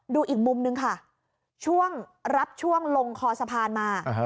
ดูอีกมุมนึงค่ะช่วงรับช่วงลงคอสะพานมา